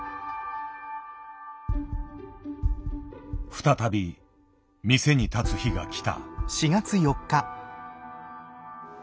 再び店に立つ日が来た。